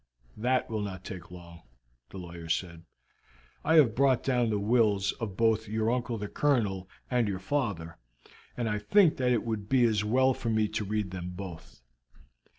"That will not take long," the lawyer said. "I have brought down the wills of both your uncle the Colonel, and your father, and I think that it would be as well for me to read them both.